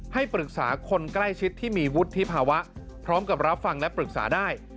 ให้ปรึกษาคนใกล้ชิดที่มีวุฒิภาวะพร้อมกับรับฟังและปรึกษาได้